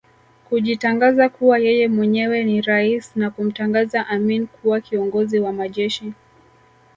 kujitangaza kuwa yeye mwenyewe ni raisi na kumtangaza Amin kuwa Kiongozi wa Majeshi